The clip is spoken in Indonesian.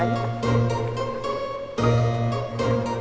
ini siapaan sih sob